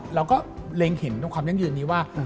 เราก็เล็งเห็นตรงความยั่งยืนนี้ว่า